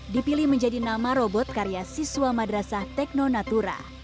dipilih menjadi nama robot karya siswa madrasah tekno natura